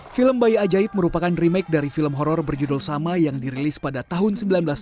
film bayi ajaib merupakan remake dari film horror berjudul sama yang dirilis pada tahun seribu sembilan ratus tujuh puluh